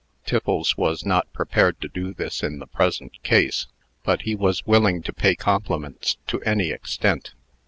Tiffles was not prepared to do this in the present case, but he was willing to pay compliments to any extent.